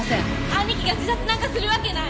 兄貴が自殺なんかするわけない！